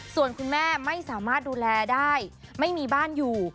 ส่วนคุณแม่ไม่สามารถดูแลได้ไม่มีบ้านอยู่